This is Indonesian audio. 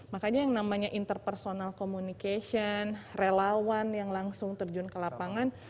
makanya yang namanya interpersonal communication relawan yang langsung terjun ke lapangan